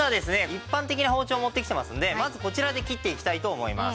一般的な包丁を持ってきてますのでまずこちらで切っていきたいと思います。